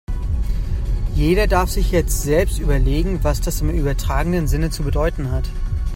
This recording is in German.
Jeder darf sich jetzt selbst überlegen, was das im übertragenen Sinne zu bedeuten hat.